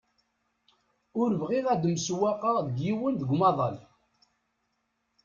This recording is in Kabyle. Ur bɣiɣ ad msewwaqeɣ d yiwen deg umaḍal.